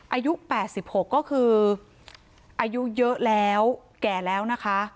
อายุ๘๖ก็คืออายุเยอะแล้วแก่แล้วนะคะ